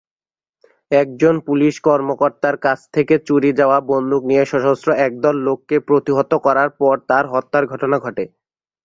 একজন পুলিশ কর্মকর্তার কাছ থেকে চুরি যাওয়া বন্দুক নিয়ে সশস্ত্র একদল লোককে প্রতিহত করার পর তার হত্যার ঘটনা ঘটে।